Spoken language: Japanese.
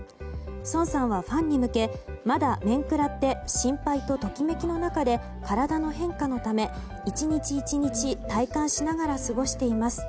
ソンさんはファンに向けまだ面食らって心配とときめきの中で体の変化のため１日１日体感しながら過ごしています。